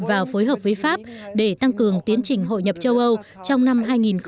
và phối hợp với pháp để tăng cường tiến trình hội nhập châu âu trong năm hai nghìn một mươi tám